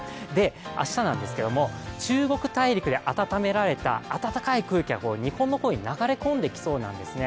明日なんですけども、中国大陸で温められた暖かい空気が日本の方に流れ込んできそうなんですね。